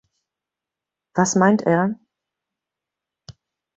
Was meint er?